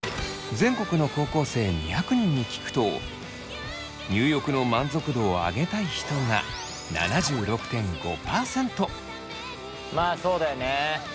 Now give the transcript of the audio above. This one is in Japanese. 全国の高校生２００人に聞くと入浴の満足度をあげたい人がまあそうだよね。